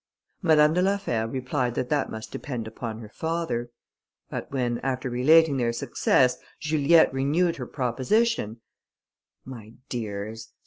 Madame de la Fère replied that that must depend upon her father; but when, after relating their success, Juliette renewed her proposition; "My dears," said M.